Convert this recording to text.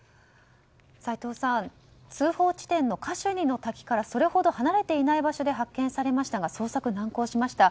斎藤さん、通報地点のカシュニの滝からそれほど離れていない場所で発見されましたが捜索は難航しました。